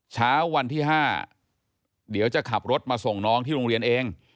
เช้าวันที่๕เดี๋ยวจะขับรถมาส่งน้องที่โรงเรียนเอง